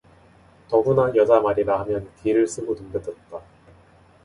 더구나 여자 말이라 하면 기를 쓰고 덤벼들었다.